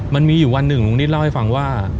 มันมีอยู่วันหนึ่งลุงนิดเล่าให้ฟังว่า